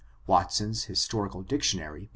— Wcttson^s Historical Dictionary^ p.